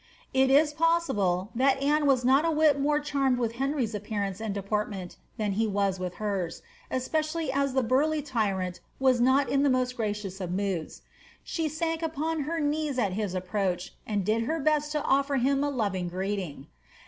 It is possible, that Anne was not a whit more charmed with Henry's appearance and deportment than he was with hers, especially as the burly tyrant waa not in the most gracious of moods. She sank upon her knees at his approach, and did her best to offer him a loving gieet ing.